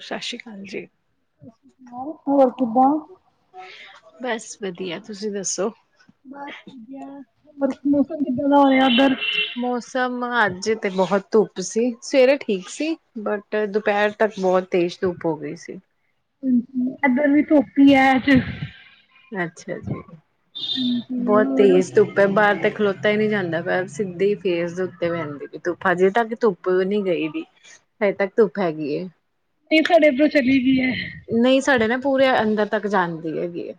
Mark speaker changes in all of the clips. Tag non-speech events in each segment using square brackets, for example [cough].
Speaker 1: ਸ਼ਸ਼੍ਰੀ ਅਕਾਲ ਜੀ।
Speaker 2: ਹੋਰ ਕਿਦਾਂ?
Speaker 1: ਬਸ ਵਧੀਆ। ਤੁਸੀਂ ਦੱਸੋ?
Speaker 2: ਬਸ ਯਾਰ ਬਾਹਰ ਮੌਸਮ ਕਿੱਦਾਂ ਦਾ ਹੋ ਰਿਹਾ ਉੱਧਰ?
Speaker 1: ਮੌਸਮ ਅੱਜ ਤੇ ਬਹੁਤ ਧੁੱਪ ਸੇ ਸਵੇਰੇ ਠੀਕ ਸੀ ਬਟ ਦੁਪਹਿਰ ਤੱਕ ਬਹੁਤ ਤੇਜ਼ ਧੁੱਪ ਹੋ ਗਈ ਸੀ
Speaker 2: ਇਧਰ ਵੀ ਧੁੱਪ ਹੀ ਅੰਜ
Speaker 1: ਅੱਛਾ ਜੀ,
Speaker 2: ਹਾਂਜੀ
Speaker 1: ਬਹੁਤ
Speaker 2: ਹੋਰ
Speaker 1: ਤੇਜ਼ ਧੁੱਪ ਹੈ ਬਾਰ ਤੱਕ ਖਲੋਤਾ ਹੀ ਨਹੀਂ ਜਾਂਦਾ ਬਸ, ਸਿੱਹੀ ਫੇਸ ਦੇ ਉੱਤੇ ਬਹਿਣਦੀ ਧੁੱਪ। ਅਜੇ ਤੱਕ ਧੁੱਪ ਨਹੀਂ ਗਈ ਵੀ, ਹਜੇ ਤੱਕ ਧੁੱਪ ਹੈਗੀ ਏ।
Speaker 2: ਤੇ ਸਾਡੇ ਇਧਰੋਂ ਚਲੀ ਗਈ ਔ।
Speaker 1: ਨਹੀਂ ਸਾਡੇ ਨਾ ਪੂਰੇ ਅੰਦਰ ਤੱਕ ਜਾਂਦੀ ਹੈਗੀ ਹੈ।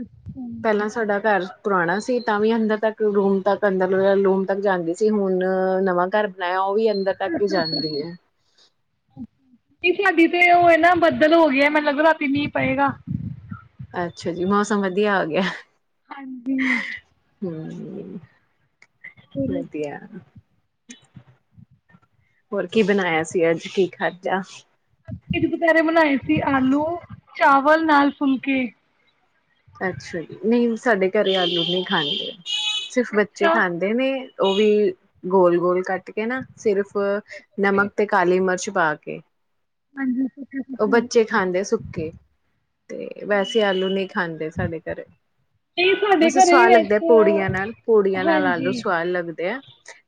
Speaker 2: ਅੱਛਾ। ਨਹੀਂ
Speaker 1: ਪਹਿਲਾਂ ਸਾਡਾ ਘਰ ਪੁਰਾਣਾ ਸੀ ਤਾਂ ਵੀ ਅੰਦਰ ਤੱਕ ਰੂਮ ਤੱਕ ਅੰਦਰ ਰੂਮ ਤੱਕ ਜਾਂਦੀ ਸੀ ਹੁਣ ਨਵਾਂ ਘਰ ਬਣਾਇਆ ਓ ਵੀ ਅੰਦਰ ਤਕ ਈ ਜਾਂਦੀ ਐ।
Speaker 2: ਕਿਸਮਤ ਦੀ ਤੇ ਓ ਐ ਨਾ ਬੱਦਲ ਹੋ ਗਿਆ ਮੈਨੂੰ ਲੱਗਦਾ ਰਾਤੀ ਮੀਂ ਪਏਗਾ।
Speaker 1: ਅੱਛਾ ਜੀ ਮੌਸਮ ਵਧੀਆ ਹੋ ਗਿਆ।
Speaker 2: ਹਾਂਜੀ।
Speaker 1: ਹੂੰ
Speaker 2: ਹੋਰ
Speaker 1: ਵਧੀਆ ਹੋਰ ਕੀ ਬਣਾਇਆ ਸੀ? ਅੱਜ ਕੀ ਖਾਜਾ?
Speaker 2: ਕੇ ਅਸੀ ਦੁਪੈਰੇ ਬਣਾਏ ਸੀ ਆਲੂ-ਚਾਵਲ ਨਾਲ ਫੁਲਕੇ।
Speaker 1: ਅੱਛਾ ਜੀ ਨਈ ਸਾਡੇ ਘਰੇ ਆਲੂ ਨੀ ਖਾਂਦੇ। ਸਿਰਫ ਬੱਚੇ
Speaker 2: ਅੱਛਾ।
Speaker 1: ਖਾਂਦੇ ਨੇ। ਉਹ ਵੀ ਗੋਲ-ਗੋਲ ਕੱਟ ਕੇ ਨਾ ਸਿਰਫ
Speaker 2: ਸੁੱਕੇ-ਸੁੱਕੇ।
Speaker 1: ਨਮਕ ਤੇ ਕਾਲੀ ਮਿਰਚ ਪਾ ਕੇ
Speaker 2: ਹਾਂਜੀ
Speaker 1: ਉਹ
Speaker 2: ਸੁੱਕੇ-ਸੁੱਕੇ।
Speaker 1: ਬੱਚੇ ਖਾਂਦੇ ਸੁੱਕੇ ਤੇ ਵੈਸੇ ਆਲੂ ਨਹੀਂ ਖਾਂਦੇ ਸਾਡੇ ਘਰੇ
Speaker 2: ਨਹੀਂ ਸਾਡੇ
Speaker 1: ਵੈਸੇ
Speaker 2: ਘਰੇ
Speaker 1: ਸੁਵਾਦ ਲੱਗਦਾ
Speaker 2: ਵੈਸੇ
Speaker 1: ਪੁੜੀਆਂ ਨਾਲ ਪੁੜੀਆਂ ਨਾਲ ਆਲੂ
Speaker 2: ਹਾਂਜੀ
Speaker 1: ਸਆਦ ਲੱਗਦੇ ਆ।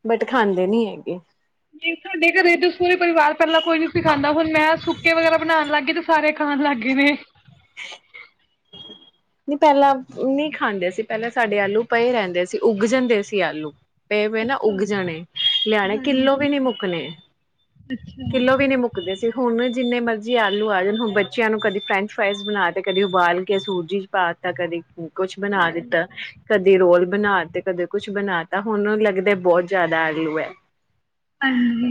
Speaker 1: ਬਟ ਖਾਂਦੇ ਨੀ ਹੈਗੇ।
Speaker 2: ਨਹੀਂ ਤੁਹਾਡੇ ਘਰੇ ਤੇ ਸੋਹਰੇ ਪਰਿਵਾਰ ਪਹਿਲਾਂ ਕੋਈ ਨੀ ਸਿ ਖਾਂਦਾ ਹੁਣ ਮੈਂ ਸੁੱਕੇ ਵਗੈਰਾ ਬਣਾਉਣ ਲੱਗ ਗਈ ਤੇ ਸਾਰੇ ਖਾਣ ਲੱਗ ਗਏ ਨੇ।
Speaker 1: ਨਹੀਂ ਪਹਿਲਾਂ ਨਹੀਂ ਖਾਂਦੇ ਸੀ ਪਹਿਲਾਂ ਸਾਡੇ ਆਲੂ ਪਏ ਰਹਿੰਦੇ ਸੀ ਉਗ ਜਾਂਦੇ ਸੀ ਆਲੂ। ਪਏ ਹੋਏ ਨਾ
Speaker 2: ਅੱਛਾ
Speaker 1: ਉੱਗ ਜਾਣੇ ਲਿਆਣੇ ਕਿੱਲੋ
Speaker 2: ਹਾਂਜੀ
Speaker 1: ਵੀ ਨੀ ਮੁੱਕਣੇ
Speaker 2: ਅੱਛਾ
Speaker 1: ਕਿੱਲੋ ਵੀ ਨੀ ਮੁੱਕਦੇ ਸੀ ਹੁਣ ਜਿੰਨੇ ਮਰਜ਼ ਜੀ ਆਲੂ ਆ ਜਾਣ ਹੁਣ ਬੱਚਿਆਂ ਨੂੰ ਕਦੀ ਫਰੈਂਚ ਫਰਾਈਜ਼ ਬਣਾ ਤੇ ਕਦੀ ਉਬਾਲ ਕੇ ਸੂਜੀ ਪਾਤਾ ਕਦੀ ਕੁਛ ਬਣਾ
Speaker 2: ਹਾਂਜੀ
Speaker 1: ਦਿੱਤਾ ਕਦੇ ਰੋਲ ਬਣਾ ਤੇ ਕਦੇ ਕੁਛ ਬਣਾ ਤਾਂ ਹੁਣ ਲੱਗਦਾ ਬਹੁਤ ਜ਼ਿਆਦਾ ਆਗਲੂ ਹੈ।
Speaker 2: ਹਾਂਜੀ,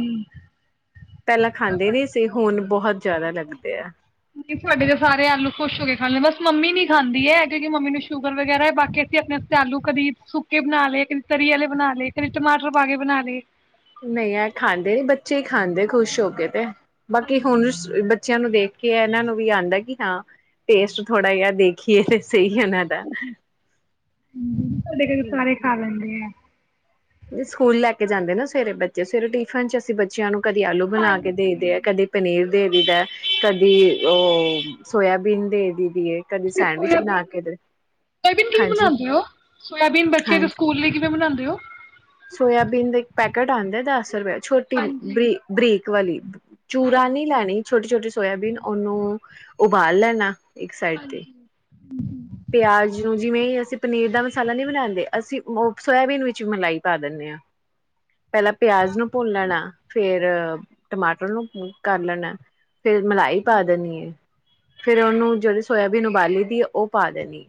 Speaker 1: ਪਹਿਲਾਂ ਖਾਂਦੇ ਨਹੀਂ ਸੀ ਹੁਣ ਬਹੁਤ ਜ਼ਿਆਦਾ ਲੱਗਦੇ ਆ।
Speaker 2: ਨਹੀਂ ਸਾਡੇ ਤਾਂ ਸਾਰੇ ਆਲੂ ਖੁਸ਼ ਹੋ ਕੇ ਖਾ ਲਦੇ ਬਸ ਮੰਮੀ ਨੀ ਖਾਂਦੀ ਏ ਕਿਉਂਕਿ ਮੰਮੀ ਨੂੰ ਸ਼ੂਗਰ ਵਗੈਰਾ ਏ ਬਾਕੀ ਅਸੀਂ ਆਪਣੇ ਆਸਤੇ ਆਲੂ ਕਦੀ ਸੁੱਕੇ ਬਣਾ ਲਏ ਕਦੀ ਤਰੀ ਵਾਲੇ ਬਣਾ ਲਏ ਕਦੀ ਟਮਾਟਰ ਪਾ ਕੇ ਬਣਾ ਲਏ।
Speaker 1: ਨਹੀਂ ਹੈ ਖਾਂਦੇ ਨੀ ਬੱਚੇ ਹੀ ਖਾਂਦੇ ਖੁਸ਼ ਹੋ ਕੇ ਤੇ। ਬਾਕੀ
Speaker 2: ਹਾਂਜੀ
Speaker 1: ਹੁਣ ਬੱਚਿਆਂ ਨੂੰ ਦੇਖ ਇਹਨਾਂ ਨੂੰ ਵੀ ਆਦਾ ਕਿ ਹਾਂ ਟੇਸਟ ਥੋੜ੍ਹਾ ਜਿਹਾ ਦੇਖੀਏ ਸਹੀ ਇਹਨਾਂ ਦਾ।
Speaker 2: [inaudible] ਸਾਡੇ ਘਰ ਸਾਰੇ ਖਾ ਲੇਦੇ ਐ।
Speaker 1: ਜ ਸਕੂਲ ਲੈ ਕੇ ਜਾਂਦੇ ਨੇ ਸਵੇਰੇ ਬੱਚੇ ਸਵੇਰੇ ਟਿਫਨ ਚ ਅਸੀ ਬੱਚਿਆ ਨੁੰ ਕਦੀ ਆਲੂ ਬਣਾ ਕੇ ਦਈਦੇ ਆ
Speaker 2: ਹਾਂਜੀ
Speaker 1: ਕਦੀ ਪਨੀਰ ਦੇ ਦੀਦਾ ਕਦੀ ਉਹ ਸੋਇਆਬੀਨ ਦੇ ਦੀ ਦੀ ਏ ਕਦੀ
Speaker 2: [inaudible]
Speaker 1: ਸੈਂਡਵਿਚ ਬਣਾ
Speaker 2: ਸੋਇਬੀਨ
Speaker 1: ਕੇ ਦੇ
Speaker 2: ਕਿਵੇਂ
Speaker 1: ਹਾਂਜੀ
Speaker 2: ਬਣਾਦੇ ਹੋ ਸੋਆਬੀਨ ਬੱਚੇ ਦੇ ਸਕੂਲ ਲਈ ਕਿਵੇਂ ਬਣਾਦੇ ਔ? ਔ,
Speaker 1: ਸੋਇਬੀਨ ਦੇ ਇੱਕ ਪੈਕਿਟ ਆਦੇ ਦਸ ਰੁਪਏ ਚ। ਛੋਟੀ
Speaker 2: ਹਾਂਜੀ
Speaker 1: ਬ੍ਰਿ ਬ੍ਰਿਕ ਵਾਲੀ, ਚੂੂਰਾ ਨਹੀਂ
Speaker 2: ਹਾਂਜੀ
Speaker 1: ਲੈਣੀ ਛੋਟੀ-ਛੋਟੀ ਸੋਇਆਬੀਨ ਉਹਨੂੰ ਉਬਾਲ ਲੈਣਾ,
Speaker 2: ਹਾਂਜੀ,
Speaker 1: ਪਿਆਜ਼ ਨੂੰ ਜਿਵੇਂ ਅਸੀਂ ਪਨੀਰ ਦਾ ਮਸਾਲਾ ਨਹੀਂ ਬਣਾਦੇ ਅਸੀਂ ਉਹ ਸੋਇਆਬੀਨ ਵਿੱਚ ਮਲਾਈ ਪਾ ਦੇਣੇ ਹਾਂ। ਪਹਿਲਾਂ ਪਿਆਜ਼ ਨੂੰ ਭੁੰਨ ਲੈਣਾ ਫੇਰ ਟਮਾਟਰ ਨੂੰ ਕ ਕਰ ਲੈਣਾ। ਫੇਰ ਮਲਾਈ ਪਾ ਦੇਣੀ ਆ। ਫੇਰ ਉਹਨੂੰ ਜਿਹੜ ਸੋਇਆਬੀਨ ਉਬਾਲੀ ਪੀ ਔ, ਪਾਦਨੀ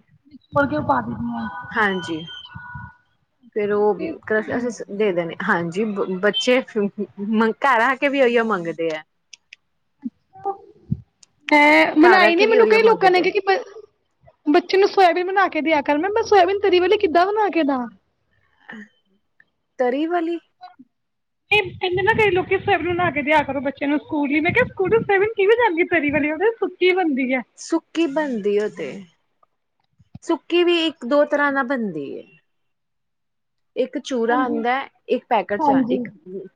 Speaker 2: ਲ ਕਿਉਂ ਪਾ ਦੇਦੀ ਆ।
Speaker 1: ਫੇਰ ਉਹ
Speaker 2: ਟੇਸਟ
Speaker 1: ਕਰ
Speaker 2: ਹੁੰਦੀ ਹੈ
Speaker 1: ਅਸੀਂ ਦੇ ਦੇ ਹਾਂਜੀ ਬੱਚੇ ਘਰ ਆ ਕੇ ਵੀ ਉਹੀਓ ਮੰਗਦੇ ਆ।
Speaker 2: ਅ
Speaker 1: ਘਰ ਆ
Speaker 2: ਮਨਾਈ
Speaker 1: ਕੇ
Speaker 2: ਨੀ
Speaker 1: ਵੀ
Speaker 2: ਮੈਨੂੰ
Speaker 1: ਉਹੀਓ
Speaker 2: ਕਈ ਲੋਕਾਂ ਨੇ
Speaker 1: ਮੰਗਦੇ
Speaker 2: ਕਿਉਂਕ ਬੱਚੇ ਨੂੰ ਸੋਇਬੀਨ ਬਣਾ ਕੇ ਦਿਆ ਕਰ ਮੈਂ ਮੈਂ ਸੋਇਬੀਨ ਤਰੀ ਵਾਲੀ ਕਿੱਦਾਂ ਬਣਾ ਕੇ ਦਾ
Speaker 1: ਤਰੀ ਵਾਲਲੀ
Speaker 2: ਇੰਨੇ ਨਾ ਕਈ ਲੋਕੀ ਸੈਵਨ ਲ ਕੇ ਦਿਆ ਕਰੋ ਬੱਚਿਆਂ ਨੂੰ ਸਕੂਲ ਹੀ ਮੈਂ ਕਿਹਾ ਸਕੂਲ ਸੈਵਨ ਕਿ ਵੀ ਜਾਂਦੀ ਤੇਰੀ ਵਾਲੀ ਉਹ ਸੁਤੀ ਬਣਦੀ ਹੈ
Speaker 1: ਸੁੱਕੀ ਬਣਦੀ ਉਹ ਤੇ ਸੁੱਕੀ ਵੀ ਇੱਕ ਦੋ ਤਰ੍ਹਾਂ ਨਾ ਬਣਦੀ ਇੱਕ ਚੂਰਾ
Speaker 2: ਹਾਂਜੀ
Speaker 1: ਆਉਂਦਾ ਇੱਕ ਪੈਕੇਟ ਚ
Speaker 2: ਹਾਂਜੀ
Speaker 1: ਇੱਕ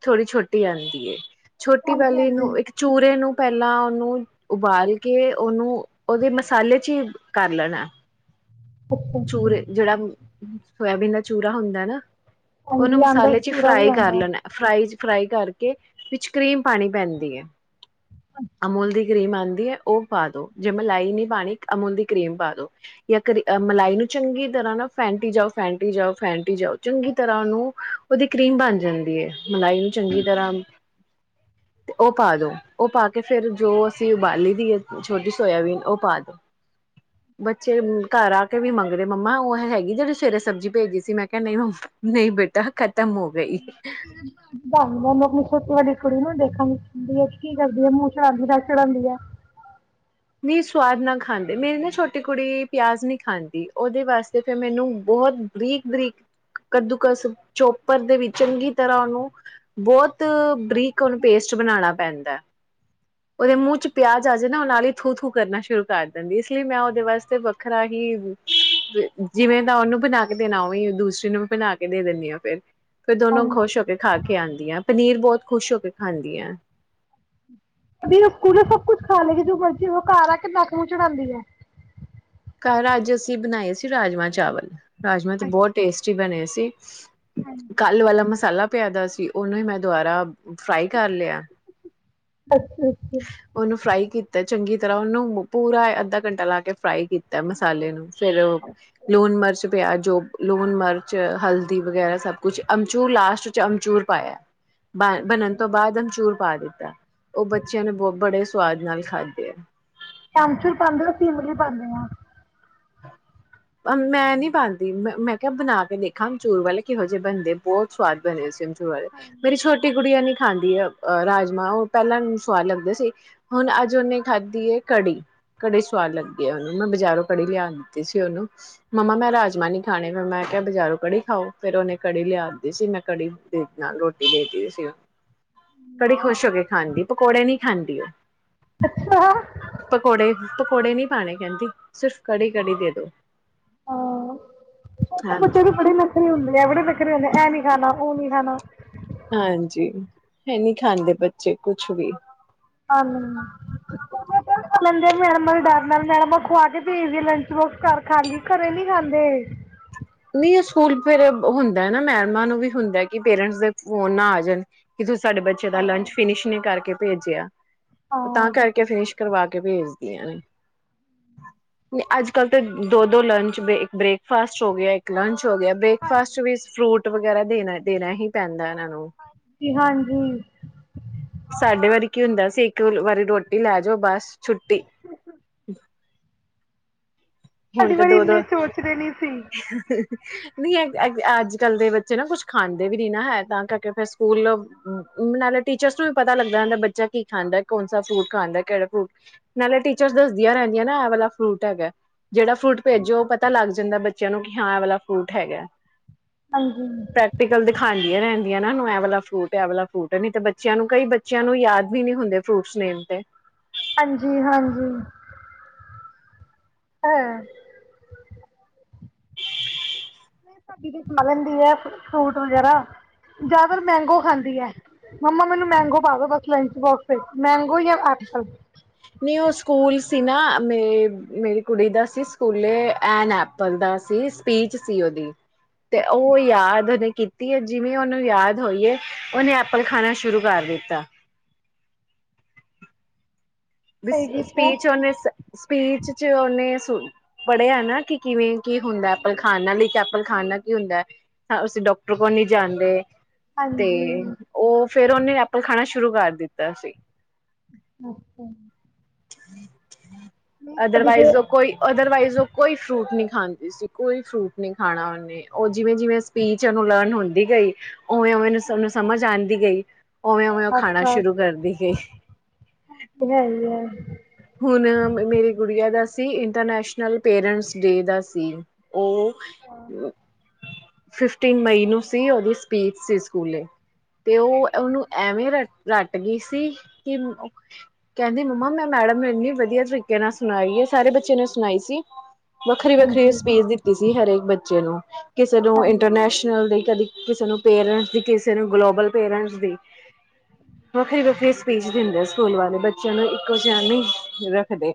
Speaker 1: ਥੋੜੀ ਛੋਟੀ ਜਾਂਦੀ ਛੋਟੀ
Speaker 2: ਹਾਂਜੀ
Speaker 1: ਵਾਲੈਲੀ
Speaker 2: ਹਾਂਜੀ
Speaker 1: ਨੂੰ ਇੱਕ ਚੂਰੇ ਨੂੰ ਪਹਿਲਾਂ ਉਹਨੂੰ ਉਬਾਲ ਕੇ ਉਹਨੂੰ ਉਹਦੇ ਮਸਾਲੇ ਚ ਹੀ ਕਰ ਲੈਣਾ
Speaker 2: ਅੱਛਾ ਅੱਛਾ
Speaker 1: ਚੂਰ ਜਿਹੜਾ ਸੋਇਬੀਨ ਦਾ ਚੂਰਾ ਹੁੰਦਾ ਨਾ ਉਹਨੂੰ
Speaker 2: ਹਾਂਜੀ ਆਉਂਦਾ
Speaker 1: ਮਸਾਲੇ ਚ
Speaker 2: ਚੂਰਾ ਵੀ
Speaker 1: ਫਰਾਈ ਕਰ
Speaker 2: ਆਉਂਦਾ
Speaker 1: ਲੈਣਾ ਫਰਾਈ ਫਰਾਈ ਕਰਕੇ ਵਿੱਚ ਕਰੀਮ ਪਾਉਣੀ ਪੈਂਦੀ ਹੈ ਅਮੋਲ ਦੀ ਕਰੀਮ ਆਉਂਦੀ ਹੈ ਉਹ ਪਾ ਦੋ ਜੇ ਮਲਾਈ ਨਹੀਂ ਪਾਣੀ ਅਮੁਨ ਦੀ ਕਰੀਮ ਪਾ ਦੋ ਜਾਂ ਕਰ ਮਲਾਈ ਨੂੰ ਚੰਗੀ ਤਰ੍ਹਾਂ ਨਾ ਫੈਂਟੀ ਜਾਓ ਫੈਂਟੀ ਜਾਓ ਫੈਂਟੀ ਜਾਓ ਚੰਗੀ ਤਰ੍ਹਾਂ ਉਹਨੂੰ ਉਹਦੀ ਕਰੀਮ ਬਣ ਜਾਂਦੀ ਹੈ ਮਲਾਈ ਨੂੰ ਚੰਗੀ ਤਰ੍ਹਾਂ ਤੇ ਉਹ ਪਾ ਦੋ ਉਹ ਪਾ ਕੇ ਫਿਰ ਜੋ ਅਸੀਂ ਉਬਾਲੀ ਦੀ ਹੈ ਛੋਟੀ ਸੋਇਆਬੀਨ ਉਹ ਪਾ ਦੋ ਬੱਚੇ ਘਰ ਆ ਵੀ ਮੰਗਦੇ ਮੰਮਾ ਉਹ ਹੈਗੀ ਜਿਹੜੀ ਸਵੇਰੇ ਸਬਜ਼ੀ ਭੇਜੀ ਸੀ ਮੈਂ ਕਿਹਾ ਨਹੀਂ ਮੰ ਨਹੀਂ ਬੇਟਾ ਖਤਮ ਹੋ ਗਈ।
Speaker 2: ਮਾਨੂੰ ਆਪਣੀ ਸਛੋਟੀ ਵੱਡੀ ਕੁੜੀ ਨੂੰ ਦੇਖਣ ਹੁੰਦੀ ਹੈ ਕਿ ਕੀ ਕਰਦੀ ਹੈ ਮੂੰਹ ਚੜਾਂਦੀ ਦ ਚੜਾਉਂਦੀ ਹੈ
Speaker 1: ਨਹੀਂ ਸਵਾਦ ਨਾ ਖਾਂਦੇ ਮੇਰੀ ਨਾ ਛੋਟੀ ਕੁੜੀ ਪਿਆਜ਼ ਨਹੀਂ ਖਾਂਦੀ ਉਹਦੇ ਵਾਸਤੇ ਫਿਰ ਮੈਨੂੰ ਬਹੁਤ ਬਰੀਕ ਬਰੀਕ ਕੱਦੂਕਸ ਚੋਪਰ ਦੇ ਵੀ ਚੰਗੀ ਤਰ੍ਹਾਂ ਉਹਨੂੰ ਬਹੁਤ ਬਰੀਕ ਉਹਨੂੰ ਪੇਸਟ ਬਣਾਉਣਾ ਪੈਂਦਾ ਹੈ ਉਹਦੇ ਮੂੰਹ ਚ ਪਿਆਜ ਆ ਜਾਵੇ ਨਾ ਉਹ ਨਾਲ ਹੀ ਥੂ ਥੂ ਕਰਨਾ ਸ਼ੁਰੂ ਕਰ ਦਿੰਦੀ ਇਸ ਲਈ ਮੈਂ ਉਹਦੇ ਵਾਸਤੇ ਵੱਖਰਾ ਹੀ ਜਿਵੇਂ ਤਾਂ ਉਹਨੂੰ ਬਣਾ ਕੇ ਦੇਣਾ ਉਵੇਂ ਦੂਸਰੀ ਨੂੰ ਵੀ ਬਣਾ ਕੇ ਦੇ ਦਿੰਦੀ ਹਾਂ ਫਿਰ ਫੇਰ ਦੋਨੋ
Speaker 2: ਹਾਂਜੀ
Speaker 1: ਖੁਸ਼ ਹੋ ਕੇ ਖਾ ਕੇ ਆਉਂਦੀਆਂ ਪਨੀਰ ਬਹੁਤ ਖੁਸ਼ ਹੋ ਕੇ ਖਾਂਦੀ ਹੈ
Speaker 2: ਸਕੂਲ ਸਭ ਕੁਛ ਖਾ ਲਗੀ ਜੋ ਬਚੇ ਉਹ ਘਰ ਆ ਕੇ ਨਾਕ ਨੂੰਹ ਚੜਾਉਂਦੀ ਹੈ
Speaker 1: ਘਰ ਅੱਜ ਅਸੀਂ ਬਣਾਏ ਸੀ ਰਾਜਮਾਂ ਚਾਵਲ ਰਾਜਮਾ ਤਾਂ ਬਹੁਤ
Speaker 2: ਅੱਛਾ
Speaker 1: ਟੇਸਟੀ ਬਣੇ ਸੀ
Speaker 2: ਹਾਂਜੀ
Speaker 1: ਕੱਲ ਵਾਲਾ ਮਸਾਲਾ ਪਿਆ ਦ ਸੀ ਕਿ ਉਹਨੂੰ ਹੀ ਮੈਂ ਦੁਬਾਰਾ ਫਰਾਈ ਕਰ ਲਿਆ
Speaker 2: ਅੱਛਾ
Speaker 1: ਉਹਨੂੰ ਫਰਾਈ ਕੀਤਾ ਚੰਗੀ ਤਰ੍ਹਾਂ ਉਹਨੂੰ ਪੂਰਾ ਅੱਧਾ ਘੰਟਾ ਲਾ ਕੇ ਫਰਾਈ ਕੀਤਾ ਮਸਾਲੇ ਨੂੰ ਫੇਿਰ ਲੂਣ ਮਿਰਚ ਪਿਆ ਜੋ ਲੂਣ ਮਿਰਚ ਹਲਦੀ ਵਗੈਰਾ ਸਭ ਕੁਝ ਅਮਚੂਰ ਲਾਸਟ ਚ ਅਮਚੂਰ ਪਾਇਆ ਬਣਨ
Speaker 2: ਅੱਛਾ
Speaker 1: ਤੋਂ ਬਾਅਦ ਹੁਣ ਚੂਰ ਪਾ ਦੇ ਉਹ ਬੱਚ ਚੈਨਲ ਬਹੁਤ ਬੜੇ ਸਵਾਦ ਨਾਲ ਖਾਦੇ ਆ
Speaker 2: ਪੈਂਚਰ ਪਾਉਂਦੇ ਹੋ ਸੀਿਮਲੀ ਪਾਉਦੇ ਹ
Speaker 1: ਮੈਂ ਨੀ ਪਾਉਦੀ ਮੈਂ ਮੈਂ ਕਿਹਾ ਬਣਾ ਕੇ ਦੇਖਾਂ ਅਮਚੂਰ ਵਾਲੇ ਕਿਹੋ ਜਿਹੇ ਬਣਦੇ ਬਹੁਤ ਸਵਾਦ ਬਣੇ ਸੀਮਚ ਮੇਰੀ
Speaker 2: ਹਾਂਜੀ
Speaker 1: ਛੋਟੀ ਕੁੜੀ ਨੀ ਖਾਂਦੀ ਹੈ ਅਹ ਰਾਜਮਾਂ ਉਹ ਪਹਿਲਾਂ ਸਵਾਦ ਲੱਗਦਾ ਸੀ ਹੁਣ ਅੱਜ ਉਹਨੇ ਖਾਧੀ ਹੈ ਕੜੀ ਕੜੀ ਸਵਾਦ ਲੱਗੀ ਹੈ ਉਹਨੂੰ ਮੈਂ ਬਾਜ਼ਾਰੋਂ ਕੜੀ ਲਿਆ ਲਿਆਤੀ ਸੀ ਉਹਨੂੰ ਮੰਮਾ ਮੈਂ ਰਾਜਮਾਂ ਨੀ ਖਾਣੇ ਫੇਰ ਮੈਂ ਕਿਹਾ ਬਜ਼ਾਰੋਂ ਕੜੀ ਖਾਓ ਫੇਰ ਉਹਨੇ ਕੜੀ ਲਿਆਦੀ ਸੀ ਮੈਂ ਕੜੀ ਦੇ ਨਾਲ ਰੋਟੀ ਦੇ ਸੀਨ ਕੜੀ ਖੁਸ਼ ਹੋ ਕੇ ਖਾਂਦੀ ਪਕੌੜੇ ਨੀ ਖਾਂਦੀ ਉਹ
Speaker 2: ਅੱਛਾ।
Speaker 1: ਪਕੌੜੇ ਪਕੌੜੇ ਨੀ ਪਾਣੇ ਕਹਿੰਦੀ ਸਿਰਫ਼ ਕੜੀ ਕੜੀ ਦੇ ਦੋ।
Speaker 2: ਹਾਂ ਛੋਟੇ ਬੱਚੇ
Speaker 1: ਹਾਂਜੀ
Speaker 2: ਦੀ ਬੜੀ ਨਖ਼ਰੇ ਹੁੰਦੇ ਆ, ਬੜੇ ਨਖ਼ਰੇ ਹੁੰਦੇ ਐ ਨੀ ਖਾਣਾ ਉਹ ਨੀ ਖਾਣਾ
Speaker 1: ਹਾਂਜੀ ਹੈ ਨਹੀਂ ਖਾਂਦੇ ਬੱਚੇ ਕੁਛ ਵੀ
Speaker 2: ਮੈਡਮ ਦੇ ਡਰ ਨਾਲ ਮੈਡਮ ਖਵਾ ਕੇ ਭੇਜ ਲੰਚ ਬੋਕਸ ਕਰ ਖਾਂਗੀ ਘਰੇ ਨੀ ਖਾਂਦੇ
Speaker 1: ਨਹੀਂ ਉਹ ਸਕੂਲ ਫੇਰ ਹੁੰਦਾ ਨਾ ਮੈਡਮਾਂ ਨੂੰ ਵੀ ਹੁੰਦਾ ਕਿ ਪੇਰੈਂਟਸ ਦੇ ਫੋਨ ਨਾ ਆ ਜਾਣ ਕਿ ਤੁਸੀਂ ਸਾਡੇ ਬੱਚੇ ਦਾ
Speaker 2: ਹਾਂ
Speaker 1: ਲੰਚ ਫਿਨਿਸ਼ ਨੀ ਕਰਕੇ ਭੇਜਿਆ। ਤਾਂ
Speaker 2: ਹਾਂ
Speaker 1: ਕਰਕੇ ਫਿਨਿਸ਼ ਕਰਵਾ ਕੇ ਭੇਜਦੀਆਂ ਨੇ ਅੱਜ ਕੱਲ ਤੇ ਦੋ ਦੋ ਲੰਚ ਇੱਕ ਬ੍ਰੇਕਫਾਸਟ ਹੋ ਗਿਆ ਇੱਕ ਲੰਚ ਹੋ ਗਿਆ
Speaker 2: ਹਾਂਜੀ
Speaker 1: ਬ੍ਰੇਕਫਾਸਟ ਚ ਵੀ ਫਰੂਟ ਵਗੈਰਾ ਦੇਣਾ ਦੇਣਾ ਹੀ ਪੈਂਦਾ ਹਨ।
Speaker 2: ਹਾਂਜੀ ਹਾਂਜੀ।
Speaker 1: ਸਾਡੇ ਵਾਰੀ ਕੀ ਹੁੰਦਾ ਸੀ ਇੱਕ ਵਾਰੀ ਰੋਟੀ ਲੈ ਜਾਓ ਬਸ ਛੁੱਟੀ। ਹੁਣ
Speaker 2: ਸਾਡੀ
Speaker 1: ਤੇ
Speaker 2: ਵਾਰੀ
Speaker 1: ਦੋ ਦੋ
Speaker 2: ਇੰਨੇ ਸੋਚਦੇ ਨੀ ਸੀ
Speaker 1: ਨਹੀਂ ਅੱਜ ਕੱਲ ਦੇ ਬੱਚੇ ਨਾ ਕੁਛ ਖਾਂਦੇ ਵੀ ਨ ਨਾ ਹੈ ਤਾਂ ਕਰਕੇ ਫਿਰ ਸਕੂਲ ਨਾਲੇ ਟੀਚਰਸ ਨੂੰ ਵੀ ਪਤਾ ਲੱਗਦਾ ਹੁੰਦਾ ਬੱਚਾ ਕੀ ਖਾਂਦਾ ਕੌਣਸ ਫਰੂਟ ਖਾਂਦਾ ਕਿਹੜਾ ਫਰੂਟ ਨਾਲੇ ਟੀਚਰ ਦੱਸਦੀਆਂ ਰਹਿੰਦੀਆਂ ਨਾ ਐ ਵਾਲਾ ਫਰੂਟ ਹੈਗਾ। ਜਿਹੜਾ ਫਰੂਟ ਭੇਜੋ ਉਹ ਪਤਾ ਲੱਗ ਜਾਂਦਾ ਬੱਚਿਆਂ ਨੂੰ ਕਿ ਹਾਂ ਵਾਲਾ ਫਰੂਟ ਹੈਗਾ।
Speaker 2: ਹਾਂਜੀ
Speaker 1: ਪ੍ਰੈਕਟੀਕਲ ਦਿਖਾਉਂਦੀਆਂ ਰਹਿਣ ਇਹ ਵਾਲਾ ਫਰੂਟ ਵਾਲਾ ਫਰੂਟ ਨਹੀਂ ਤੇ ਬੱਚਿਆਂ ਨੂੰ ਕਈ ਬੱਚਿਆਂ ਨੂੰ ਯਾਦ ਵੀ ਨੀ ਹੁੰਦੇ ਫਰੂਟਸ ਨੇਮ ਤੇ
Speaker 2: ਹਾਂਜੀ ਹਾਂਜੀ ਹਾਂ।
Speaker 1: [unintelligible]
Speaker 2: ਨਹੀਂ ਸਾਡੀ ਤੇ ਖਾ ਲੈਂਦੀ ਹੈ ਫਰੂਟ ਵਗੈਰਾ ਜ਼ਿਆਦਾਤਰ ਮੈਗੋ ਖਾਂਦੀ ਹੈ ਮੰਮਾ ਮੈਨੂੰ ਮੈਗੋ ਪਾ ਦੋ ਬਸ ਲੰਚ ਬੋਕਸ ਵਿੱਚ ਮੈਗੋ
Speaker 1: ਨਊ ਸਕੂਲ ਸੀ ਨਾ ਮੇ ਮੇਰੀ ਕੁੜੀ ਦਾ ਸੀ ਸਕੂਲੇ ਐਨ ਐਪਲ ਦਾ ਸੀ ਸਪੀਚ ਸੀ ਉਹਦੀ ਤੇ ਉਹ ਯਾਦ ਹਨ ਕੀਤੀ ਹੈ ਜਿਵੇਂ ਉਹਨੂੰ ਯਾਦ ਹੋਈਏ ਉਹਹਨੇ ਐਪਲ ਖਾਣਾ ਸ਼ੁਰੂ ਕਰ ਦਿੱਤਾ
Speaker 2: ਸਹੀ ਕੀਤਾ
Speaker 1: ਸਪੀਚ ਓਨੇ ਸਪੀਚ ਚ ਓਨੇ ਪੜ੍ਹਿਆ ਨਾ ਕਿ ਕਿਵੇਂ ਕੀ ਹੁੰਦਾ ਐਪਲ
Speaker 2: ਹਾਂਜੀ
Speaker 1: ਖਾਣਾ ਲਈ ਚ ਐਪਲ ਖਾਣਾ ਕੀ
Speaker 2: ਹਾਂਜੀ
Speaker 1: ਹੁੰਦਾ ਹੈ ਹ ਅਸੀਂ ਡਾਕਟਰ ਕੋਲ ਨਹੀਂੀ ਜਾਣਦੇ ਤੇ
Speaker 2: ਹਾਂਜੀ
Speaker 1: ਉਹ ਫੇਿਰ ਉਹਹਨੇ ਐਪਲ ਖਾਣਾ ਸ਼ੁਰ ਸ਼ੁਰੂ ਕਰ ਦਿੱਤਾ ਸੀ
Speaker 2: ਅੱਛਾ
Speaker 1: ਠੀਕ ਠੀਕ
Speaker 2: ਨਹੀਂ ਸਾਡੀ ਤੇ
Speaker 1: ਅਦਰਵਾਈਜ਼ ਉਹ ਕੋਈ ਅਦਰਵਾਈਜ਼ ਉਹ ਕੋਈ ਫਰੂਟ ਨ ਖਾਂਦੀ ਸੀ ਕੋਈ ਫਰੂਟ ਨਹੀਂ ਖਾਣਾ ਉਹਨੇ ਉਹ ਜਿਵੇਂ ਜਿਵੇਂ ਸਪੀਚ ਉਹਨੂੰ ਲਰਨ ਹੁੰਦੀ ਗਈ ਉਵੇਂ ਉਵੇਂ ਨੂੰ ਸੂੰ ਸਮਝ ਆਉਂਦੀ ਗਈ ਉਵੇਂ ਉਵੇਂ ਉਹ
Speaker 2: ਆਸ
Speaker 1: ਖਾਣਾ
Speaker 2: ਪਾਸ
Speaker 1: ਸ਼ੁਰੂ ਕਰਦੀ ਗਈ
Speaker 2: ਹ
Speaker 1: ਹੁਣ ਮੇਰੀ ਗੁੜੀਆਂ ਦਾ ਸੀ ਇੰਟਰਨੈਸ਼ਨਲ ਪੇਰੈਂਟਸ ਡੇ ਦਾ ਸੀ ਉਹ ਫਿਫਟੀਨ ਮਈ ਨੂੰ ਸੀ ਉਹਦੀ ਸਪੀਚ ਸੀ ਸਕੂਲੇ ਤੇ ਉਹ ਉਹਨੂੰ ਐਵੇਂ ਰ ਰਟ ਗਈ ਸੀ ਕਿ ਕਹਿੰਦੀ ਮੰਮਾ ਮੈਂ ਮੈਡਮ ਨੇ ਇੰਨੀ ਵਧੀਆ ਤਰੀਕੇ ਨਾਲ ਸੁਣਾਈ ਹੈ ਸਾਰੇ ਬੱਚੇ ਨੇ ਸੁਣਾਈ ਸੀ ਵੱਖਰੀ ਵੱਖਰੀ
Speaker 2: ਹਾਂਜੀ
Speaker 1: ਸਪੀਚ ਦਿੱਤੀ ਸੀ ਹਰੇਕ ਬੱਚੇ ਬੱਚੇ ਨੂੰ ਕਿਸੇ ਨੂੰ
Speaker 2: ਹਾਂਜੀ
Speaker 1: ਇੰਟਰਨੈਸ਼ਨਲ ਦੇ ਕਦੇ ਕਿਸੇ ਨੂੰ ਪੇਰੈਂਟਸ ਦੀ ਕਿਸੇ ਨੂੰ ਗਲੋਬਲ ਪੇਰੈਂਟਸ ਦੀ ਵੱਖਰੀ ਵੱਖਰੀ ਸਪੀਚ ਦਿੰਦੇ ਸਕੂਲ ਵਾਲੇ ਬੱਚਿਆਂ ਨੂੰ ਕੁਛ ਨਹੀਂ ਰੱਖਦੇ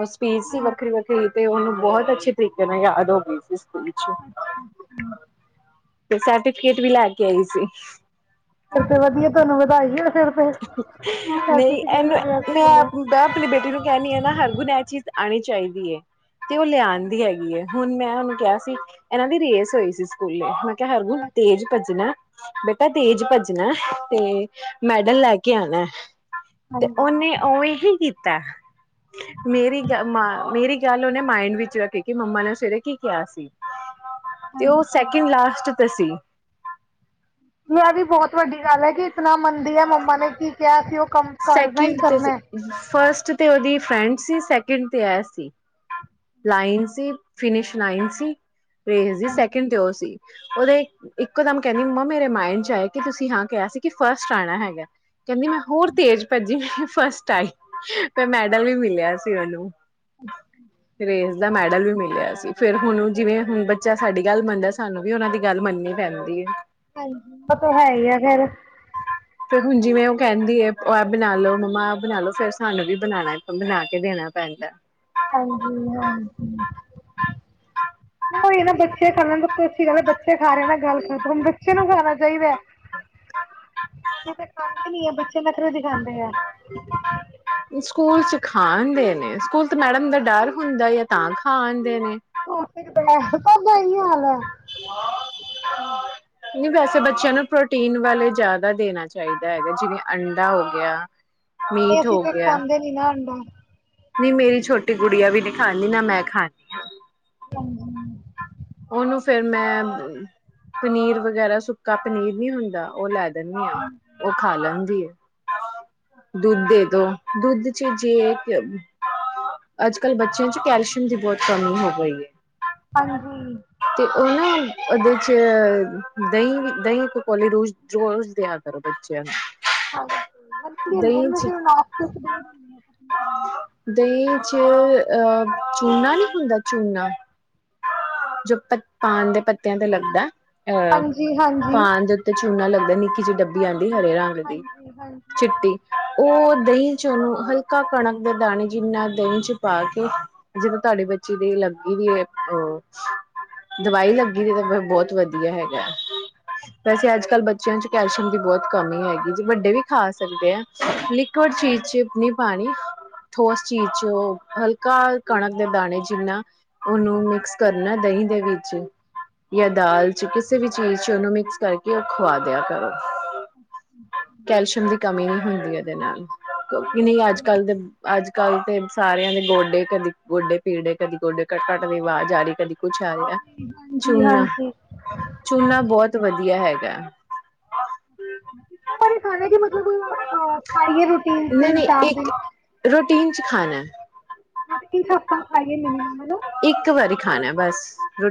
Speaker 1: ਉਹ ਸਪੀਚ ਸੀ ਵੱਖਰੀ
Speaker 2: ਹਾਂਜੀ
Speaker 1: ਵੱਖਰੀ ਤੇ ਉਹਨੂੰ ਬਹੁਤ ਅੱਛੇ ਤਰੀਕੇ ਨੇ ਯਾਦ ਹੋ ਗਸਿਸ
Speaker 2: ਅੱਛਾ ਅੱਛਾ
Speaker 1: ਤੇ ਸਰਟੀਫਿਕੇਟ ਵੀ ਲੈ ਕੇ ਆਈ ਸੀ
Speaker 2: ਫੇਰ ਤੇ ਵਧੀਆ ਤੁਹਾਨੂੰ ਵਧਾਈਏ ਹੋਵੇ ਫੇਰ
Speaker 1: ਨਹੀਂ ਇਹਨੂੰ ਮੈਂ
Speaker 2: ਸਕੂਲੋਂ
Speaker 1: ਮ ਆਪਣੀ ਬੇਟੀ ਨੂੰ ਕਹਿਣੀ ਹੈ ਨਾ ਹਰਗੁਨ ਇਹ ਚੀਜ਼ ਆਉਣੀ ਚਾਹੀਦੀ ਹੈ ਤੇ ਉਹ ਲਿਆਉਣਦੀ ਹੈਗੀ ਹੈ ਹੁਣ ਮੈਂ ਉਹਨੂੰ ਕਿਹਾ ਸੀ ਇਹਨਾਂ ਦੀ ਰੇਸ ਹੋਈ ਸੀ ਸਕੂਲੇ ਮੈਂ ਕਿਹਾ ਹਰਗੂਨ ਤੇਜ ਭੱਜਣਾ ਬੇਟਾ ਤੇਜ ਭੱਜਣਾ ਤੇ ਮੈ ਲੈ ਕੇ ਆਣਾ ਤੇ
Speaker 2: ਹਾਂਜੀ
Speaker 1: ਉਹਨੇ ਓਵੇ ਹੀ ਕੀਤ ਕੁੱਤਾ ਮੇਰੀ ਗ ਮ ਮੇਰੀ ਗੱਲ ਉਹਨੇ ਮਾਈਡ ਵਿੱਚ ਰੱਖੇ ਕਿ ਮੰਮਾ ਨੇ ਸਵੇਰੇ ਕੀ ਕਿਹਾ ਸੀ। ਤੇ ਉਹ
Speaker 2: ਹਾਂਜੀ
Speaker 1: ਸੈਕਿੰਡ ਲਾਸਟ ਤੇ ਸੀ।
Speaker 2: ਇਹ ਵੀ ਬਹੁਤ ਵੱਡੀ ਗੱਲ ਹੈ ਕਿ ਇਤਨਾ ਮੰਨਦੀ ਹੈ ਮੰਮਾ ਨੇ ਕੀ ਕਿਹਾ ਸੀ ਉਹ ਕੰਮ ਕਰਨਾ ਹੀ
Speaker 1: ਸੈਕਿੰਡ ਤੇ
Speaker 2: ਕਰਨਾ
Speaker 1: ਸੀ,
Speaker 2: ਹੈ
Speaker 1: ਫਸਟ ਤੇ ਉਹਦੀ ਫਰੈਂਡ ਸੀ ਸੈਕਿੰਡ ਤੇ ਐ ਸੀ। ਲਾਈਨ ਸੀ ਫਿਨਿਸ਼ ਲਾਈਨ ਸੀ ਰੇਸ ਸੀ
Speaker 2: ਹਾਂਜੀ
Speaker 1: ਸੈਕਿੰਡ ਤੇ ਉਹ ਸੀ। ਉਹਦੇ ਇੱਕੋ ਦਮ ਕਹਿੰਦੀ ਮੰਮਾ ਮੇਰੇ ਮਾਇੰਡ ਚ ਆਇਆ ਸੀ ਕਿ ਤੁਸੀਂ ਹਾਂ ਕਿਹਾ ਸੀ ਕਿ ਫਸਟ ਆਉਣਾ ਹੈਗਾ। ਕਹਿੰਦੀ ਮੈਂ ਹੋਰ ਤੇਜ਼ ਭੱਜੀ। ਫਸਟ ਆਈ ਫੇਰ ਮੈਡਲ ਵੀ ਮਿਲਿਆ ਸੀ ਉਹਨੂੰ।
Speaker 2: ਅੱਛਾ
Speaker 1: ਰੇਸ ਦਾ ਮੈਡਲ ਵੀ ਮਿਲਿਆ ਸੀ। ਫੇਰ ਹੁਣ ਜਿਵੇਂ
Speaker 2: ਹਾਂਜੀ
Speaker 1: ਹੁਣ ਬੱਚਾ ਸਾਡੀ ਗੱਲ ਮੰਨਦਾ ਸਾਨੂੰ ਵੀ ਉਹਨਾਂ ਦੀ ਗੱਲ ਮੰਨਨੀ ਪੈਂਦੀ ਹੈ।
Speaker 2: ਹਾਂਜੀ ਉਹ ਤੇ ਹੈ ਹੀ ਆ ਫੇਰ।
Speaker 1: ਫੇਰ ਹੁਣ ਜਿਵੇਂ ਉਹ ਕਹਿੰਦੀ ਹੈ ਐ ਬਣਾ ਲੋ ਮੰਮਾ ਆ ਬਣਾ ਲੋ ਫੇਰ ਸਾਨੂੰ ਵੀ ਬਣਾ ਕੇ ਦੇਣਾ ਪੈਂਦਾ।
Speaker 2: ਹਾਂਜੀ-ਹਾਂਜੀ ਉਹੀ ਹੈ ਨਾ ਬੱਚੇ ਖਾਣ ਨਾ ਅਛੀ ਗੱਲ ਹੈ ਬੱਚੇ ਖਾ ਰਹੇ ਨਾ ਗੱਲ ਖਤਮ। ਬੱਚੇ ਨੂੰ ਖਾਣਾ ਚਾਹੀਦਾ ਖਾਂਦੇ ਨੀ ਆ ਬੱਚੇ ਨਖਰੇ ਦਿਖਾਂਦੇ ਆ।
Speaker 1: ਸਕੂਲ ਚ ਖਾਣਦੇ ਨੇ ਸਕੂਲ ਤੇ ਮੈਡਮ ਦਾ ਡਰ ਹੁੰਦਾ ਹੈ ਤਾਂ ਖਾਦੇ ਨੇ।
Speaker 2: ਉਹ [unintelligible] ਸਭ ਦਾ ਇਹੀ ਹਾਲ ਹੈ।
Speaker 1: ਨਹੀਂ ਵੈਸੇ ਬੱਚਿਆਂ ਨੂੰ ਪ੍ਰੋਟੀਨ ਵਾਲੇ ਜ਼ਿਆਦਾ ਦੇਣਾ ਚਾਹੀਦਾ ਹੈਗਾ ਜਿਵੇਂ ਅੰਡਾ ਹੋ ਗਿਆ।
Speaker 2: ਤੇ
Speaker 1: ਮੀਟ
Speaker 2: ਅਸੀਂ
Speaker 1: ਹੋ
Speaker 2: ਤੇ
Speaker 1: ਗਿਆ
Speaker 2: ਖਾਂਦੇ ਨੀ ਨਾ ਅੰਡਾ।
Speaker 1: ਨਹੀਂ ਮੇਰੀ ਛੋਟੀ ਗੁਡੀਆ ਵੀ ਨਹੀਂ ਖਾਦੀ ਨਾ ਮੈਂ ਖਾਣੀ ਆ।
Speaker 2: ਹਾਜੀ।
Speaker 1: ਉਹਨੂੰ ਫੇਰ ਮੈਂ ਪਨੀਰ ਵਗੈਰਾ ਸੁੱਕਾ ਪਨੀਰ ਨੀ ਹੁੰਦਾ ਉਹ ਲੈ ਦਿੰਦੀ ਹਾਂ ਉਹ ਖਾ ਲੈਂਦੀ ਐ। ਦੁੱਧ ਦੇ ਦੋ, ਦੁੱਧ ਚ ਜੇ ਅੱਜ ਕੱਲ ਬੱਚਿਆਂ ਚ ਕੈਲਸ਼ੀਅਮ ਦੀ ਬਹੁਤ ਕਮੀ ਹੋ ਗਈ ਹੈ।
Speaker 2: ਹਾਂਜੀ
Speaker 1: ਤੇ ਉਹ ਨਾ ਉਹਦੇ ਚ ਦਹੀਂ, ਦਹੀਂ ਇਕ ਕੌਲੀ ਰੋਜ਼ ਰ ਰੋਜ਼ ਦਿਆ ਕਰੋ ਬੱਚਿਆਂ ਨੂੰ।
Speaker 2: ਹਾਂਜੀ [inaudible]
Speaker 1: ਦਹੀਂ 'ਚ ਦਹੀਂ ਚ ਅਹ ਚੂਨਾ ਨੀ ਹੁੰਦਾ ਚੂਨਾ। [inaudible] ਜੋ ਪ ਪਾਨ ਦੇ ਪੱਤਿਆਂ ਤੇ ਲੱਗਦਾ। ਅਹ
Speaker 2: ਹਾਂਜੀ ਹਾਂਜੀ
Speaker 1: ਪਾਣ ਦੇ ਉੱਤੇ ਚੂਨਾ ਲੱਗ [inaudible] ਜੀ ਡੱਬੀ ਆਦੀ
Speaker 2: ਹਾਂਜੀ,
Speaker 1: ਹਰੇ ਰੰਗ ਦੀ
Speaker 2: ਹਾਂਜੀ, ਹਾਂਜੀ,
Speaker 1: ਚਿੱਟੀ। ਉਹ ਦਹੀਂ ਚ ਉਹਨੂੰ ਹਲਕਾ ਕਣਕ ਦੇ ਦਾਣੇ ਜਿੰਨਾ ਦਹੀਂ ਚ ਪਾ ਕੇ ਜਿਦੋਂ ਤੁਹਾਡੀ ਬੱਚੀ ਦੀ ਲੱਗੀ ਵੀ ਹੈ ਅਹ ਦਵਾਈ ਲੱਗੀ ਦੀ ਤਾਂ ਬਹੁਤ ਵਧੀਆ ਹੈਗਾ। ਵੈਸੇ ਅੱਜ ਕੱਲ੍ਹ ਬੱ ਬੱਚਿਆਂ ਚ ਕੈਲਸ਼ੀਅਮ ਦੀ ਬਹੁਤ ਕਮੀ ਹੈਗੀ ਜੇ ਵੱਡੇ ਵੀ ਖਾ ਸਕਦੇ ਆ ਲੈ [unintelligible] ਚੀਜ਼ ਚ ਨੀ ਪਾਣੀ। [inaudible] ਠੋਸ ਚੀਜ਼ ਚ ਉਹ ਹਲਕਾ ਕਣਕ ਦੇ ਦਾਣੇ ਜਿੰਨਾ ਉਹਨੂੰ ਮਿਕਸ ਕਰਨਾ ਦਹੀਂ। [inaudible] ਦੇ ਵਿੱਚ ਜਾਂ ਦਾਲ ਚ ਕਿਸੇ ਵੀ ਚੀਜ਼ ਚ ਉਹਨੂੰ ਮਿਕਸ ਕਰਕੇ ਉਹ ਖਵਾ ਦਿਆ ਕਰੋ ਕੈਲਸ਼ੀਅਮ ਦੀ ਕਮੀ ਨਹੀਂ ਹੁੰਦੀ ਇਹਦੇ ਨਾਲ। [inaudible] ਕਿ ਨਹੀਂ ਅੱਜ ਕੱਲ ਦੇ ਅੱਜ। [inaudible] ਕੱਲ ਤੇ ਸਾਰਿਆਂ ਦੇ ਗੋਡੇ ਕਦੀ ਗੋਡੇ ਪੀੜੇ ਕਦੀ ਗੋਡੇ ਕੱਟ ਕੱਟ ਦੀ ਆਵਾਜ਼ ਆ ਰਹੀ ਕਦੀ। ਰਿਹਾ
Speaker 2: ਹਾਂਜੀ, ਹਾਂਜੀ,
Speaker 1: ਚੂਨਾ
Speaker 2: ਹਾਂਜੀ।
Speaker 1: ਚੂਨਾ ਬਹੁਤ ਵਧੀਆ ਹੈਗਾ। ਤੇ
Speaker 2: ਖਾ ਮਤਲਬ ਖਾਈਏ ਰੂਟੀਨ
Speaker 1: ਨਹੀਂ
Speaker 2: ਤਿੰਨ
Speaker 1: ਨਹੀਂ
Speaker 2: ਚਾਰ
Speaker 1: ਇੱਕ
Speaker 2: ਦਿਨ
Speaker 1: ਰੋਟੀਨ ਚ ਖਾਣਾ
Speaker 2: ਮਛੱ ਖਾਈਏ ਨਹੀਂ ਹਨ।
Speaker 1: ਬੱਸ। ਰੁ